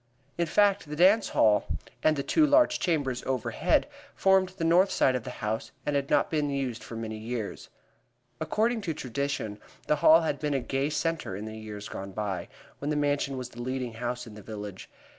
In fact, the dance hall and the two large chambers overhead formed the north side of the house and had not been used for many years. According to tradition, the hall had been a gay centre in the years gone by, when the Mansion was the leading house in the village.